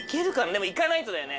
でもいかないとだよね。